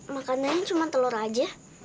makanannya cuma telur aja